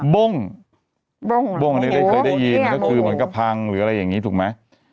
โบ้งบ้งอันนี้ได้เคยได้ยินก็คือเหมือนกับพังหรืออะไรอย่างนี้ถูกไหม